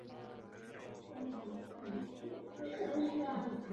Jen díky tomu album získalo certifikaci zlatá deska.